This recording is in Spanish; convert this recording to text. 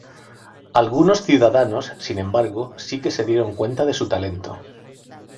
Algunos ciudadanos, sin embargo, sí que se dieron cuenta de su talento.